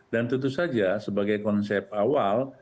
dan tentu saja sebagai konsep awal